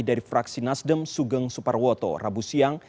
dari fraksi nasdem sugeng suparwoto rabu siang